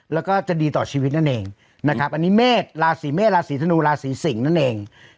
แล้วก็จะดีต่อชีวิตนั่นเองนะครับอันนี้เมษราศีเมษราศีธนูราศีสิงศ์นั่นเอง